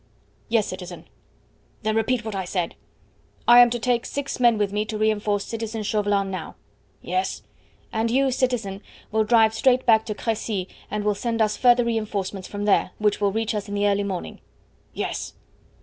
"Yes, citizen." "Then repeat what I said." "I am to take six men with me to reinforce citizen Chauvelin now." "Yes." "And you, citizen, will drive straight back to Crecy, and will send us further reinforcements from there, which will reach us in the early morning." "Yes."